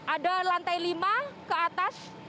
ada lantai lima ke atas